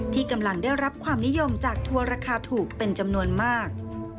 ที่กำลังได้รับความนิยมจากทัวร์ราคาถูกเป็นจำนวนมาก